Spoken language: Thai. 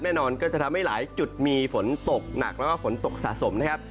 แน่นอนก็จะทำให้หลายจุดมีฝนตกหนักแล้วก็ฝนตกสะสมนะครับ